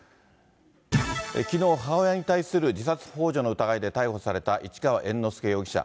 きのう、母親に対する自殺ほう助の疑いで逮捕された市川猿之助容疑者。